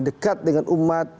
dekat dengan umat